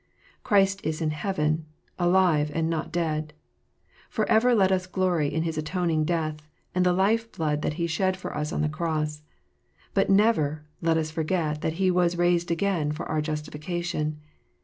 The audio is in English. Christ is in heaven, alive, and not dead. For ever let us glory in His atoning death, and the life blood that He shed for us on the cross. But never let us forget that He was "raised again for our justification."